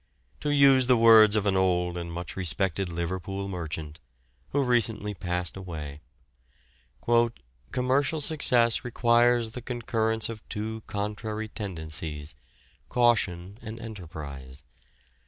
To use the words of an old and much respected Liverpool merchant, who recently passed away, "Commercial success requires the concurrence of two contrary tendencies, caution and enterprise.